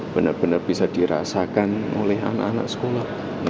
benar benar bisa dirasakan oleh anak anak sekolah